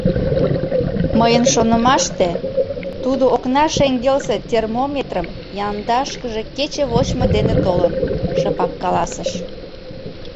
— Мыйын шонымаште, тудо окна шеҥгелсе термометрым яндашкыже кече вочмо дене «толын», — шыпак каласыш.